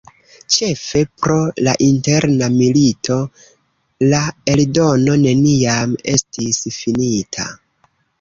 Ĉefe pro la Interna milito, la eldono neniam estis finita.